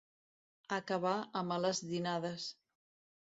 Acabar a males dinades.